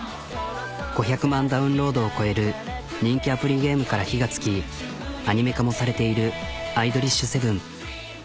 ５００万ダウンロードを超える人気アプリゲームから火が付きアニメ化もされている「アイドリッシュセブン」。